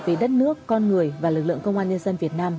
về đất nước con người và lực lượng công an nhân dân việt nam